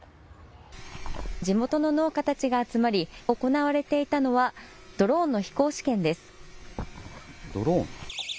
地元の農家たちが集まり、行われていたのは、ドローン？